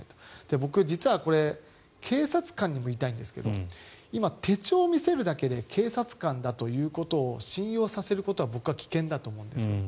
僕、実は警察官にも言いたいんですが今、手帳を見せるだけで警察官だということを信用させることは僕は危険だと思うんです。